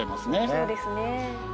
そうですね。